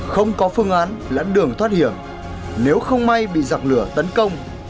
không có phương án lãn đường thoát hiểm nếu không may bị giặc lửa tấn công